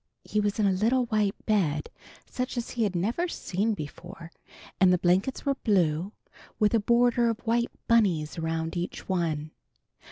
He was in a little white bed, such as he had never seen before, and the blankets were blue, with a border of white bunnies around each one.